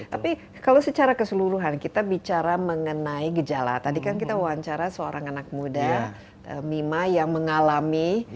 tapi kalau secara keseluruhan kita bicara mengenai gejala tadi kan kita wawancara seorang anak muda mima yang mengalami